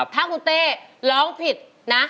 ถ้าคุณเต้ร้องผิดนะ